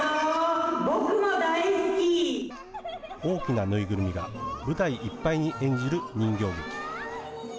大きな縫いぐるみが舞台いっぱいに演じる人形劇。